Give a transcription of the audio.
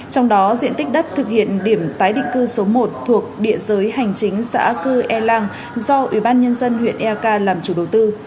trong đó diện tích đất thực hiện điểm tái định cư số một thuộc địa giới hành chính xã cư e lang do ủy ban nhân dân huyện ek làm chủ đầu tư